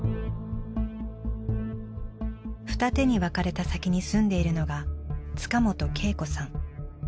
二手に分かれた先に住んでいるのが塚本惠子さん。